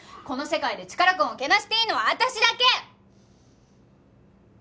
この世界でチカラくんをけなしていいのは私だけ！